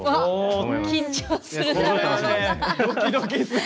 緊張する。